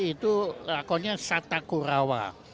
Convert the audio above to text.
itu akunnya satta kuraawa